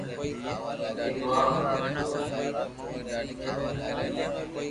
ھون ايڪ لوھار ھون